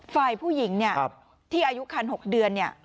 ฝ่ายผู้หญิงเนี่ยที่อายุคัน๖เดือนเนี่ย